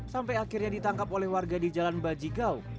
sampai akhirnya ditangkap oleh warga di jalan bajigau